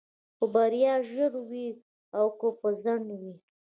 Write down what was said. خو بريا ژر وي او که په ځنډ وي.